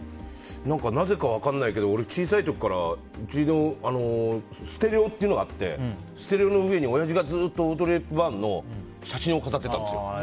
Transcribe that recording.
なぜか分からないけど俺、小さい時からステレオっていうのがあってステレオの上に親父がずっとオードリー・ヘプバーンの写真を飾ってたんですよ。